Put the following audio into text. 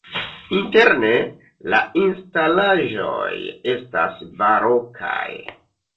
Interne la instalaĵoj estas barokaj.